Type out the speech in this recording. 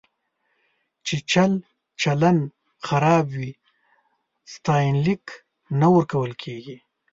چې چلچلن خراب وي، ستاینلیک نه ورکول کېږي.